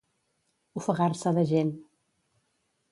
Ofegar-se de gent.